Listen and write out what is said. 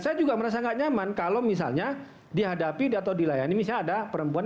saya juga merasa tidak nyaman kalau misalnya dihadapi atau dilayani misalnya ada perempuan